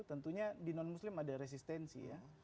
tentunya di non muslim ada resistensi ya